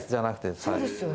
そうですよね。